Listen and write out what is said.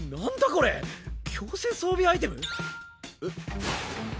これ強制装備アイテム？